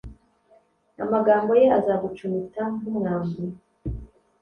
amagambo ye azagucumita nkumwambi